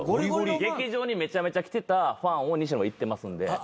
劇場にめちゃめちゃ来てたファンを西野いってますんで。